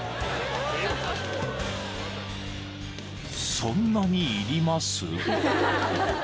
［そんなにいります？］